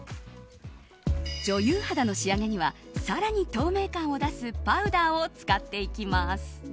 女優肌の仕上げには更に透明感を出すパウダーを使っていきます。